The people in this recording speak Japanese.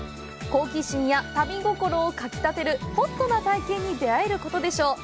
好奇心や旅心をかきたてるホットな体験に出会えることでしょう。